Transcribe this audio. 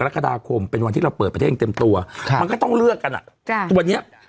รักษาคมเป็นวันที่เราเปิดประเทศเต็มตัวมันก็ต้องเลือกกันอ่ะตัวเนี้ย